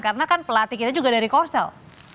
karena kan pelatih kita juga dari korsel